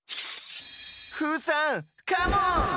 フーさんカモン！